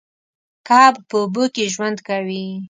کب په اوبو کې ژوند کوي